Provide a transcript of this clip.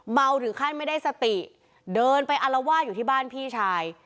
ถึงขั้นไม่ได้สติเดินไปอารวาสอยู่ที่บ้านพี่ชาย